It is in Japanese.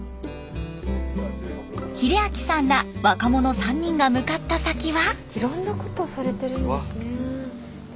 秀明さんら若者３人が向かった先は。